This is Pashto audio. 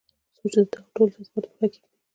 څوک چې په دغو ټولو جذباتو پښه کېږدي.